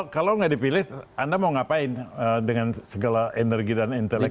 kalau nggak dipilih anda mau ngapain dengan segala energi dan intelektual